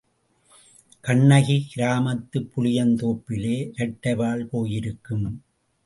கண்ணகி, கிராமத்துப் புளியந்தோப்பிலே இரட்டைவால் பேயிருக்கும்.